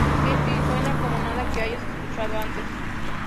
Se siente y suena como nada que hayas escuchado antes.